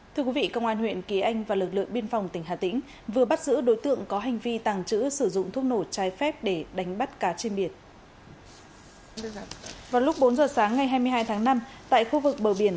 thưa quý vị công an huyện kỳ anh và lực lượng biên phòng tỉnh hà tĩnh vừa bắt giữ đối tượng có hành vi tàng trữ sử dụng thuốc nổ trái phép để đánh bắt cá trên biển